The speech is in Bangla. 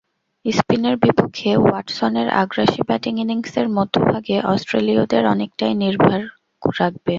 স্পিনের বিপক্ষে ওয়াটসনের আগ্রাসী ব্যাটিং ইনিংসের মধ্যভাগে অস্ট্রেলীয়দের অনেকটাই নির্ভার রাখবে।